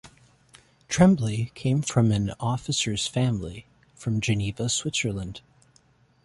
Trembley came from an officer's family from Geneva, Switzerland.